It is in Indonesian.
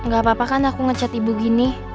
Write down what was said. gak apa apa kan aku ngecet ibu gini